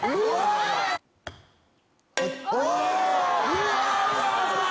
うわ！